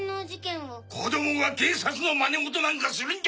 子供が警察の真似事なんかするんじゃない‼